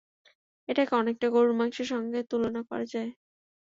এটাকে অনেকটা গরুর মাংসের সঙ্গে তুলনা করা যায়।